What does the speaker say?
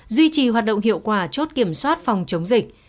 duy trì hoạt động hiệu quả chốt kiểm soát phòng chống dịch